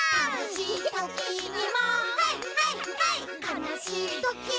「かなしいとき」